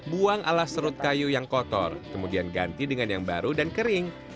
buang alas serut kayu yang kotor kemudian ganti dengan yang baru dan kering